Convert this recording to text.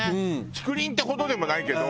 竹林ってほどでもないけど。